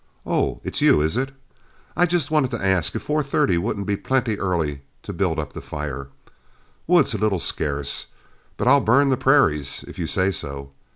Oh, it's you, is it? I just wanted to ask if 4.30 wouldn't be plenty early to build up the fire. Wood's a little scarce, but I'll burn the prairies if you say so.